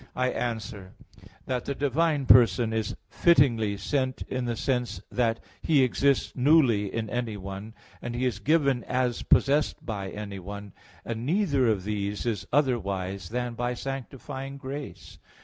I answer that, The divine person is fittingly sent in the sense that He exists newly in any one; and He is given as possessed by anyone; and neither of these is otherwise than by sanctifying grace.